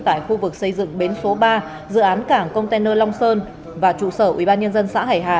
tại khu vực xây dựng bến số ba dự án cảng container long sơn và trụ sở ubnd xã hải hà